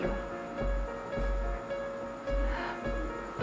aku mau bantu mama